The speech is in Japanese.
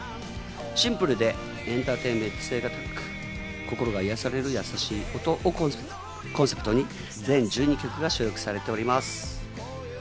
シンプルでエンターテインメント性が高く、心が癒される優しい音をコンセプトに、全１２曲が収録されております。